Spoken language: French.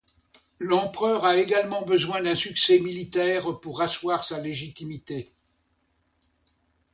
L’empereur a également besoin d’un succès militaire pour asseoir sa légitimité.